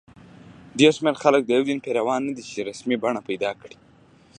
ډېر شمېر خلک د یو دین پیروان نه دي چې رسمي بڼه پیدا کړي.